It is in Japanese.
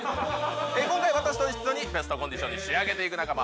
今回私と一緒にベストコンディションに仕上げていく仲間